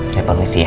saya panggil sih ya